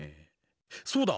そうだ！